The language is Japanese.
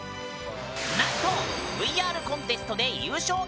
なんとＶＲコンテストで優勝が３回も！